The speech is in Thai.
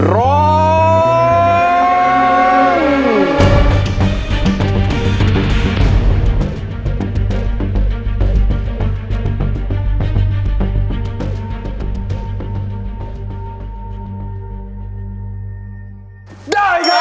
ร้อง